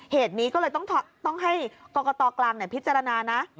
เหตุนี้ก็เลยต้องให้กรกตกลางพิจารณานะ